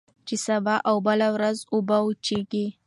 چي سبا او بله ورځ اوبه وچیږي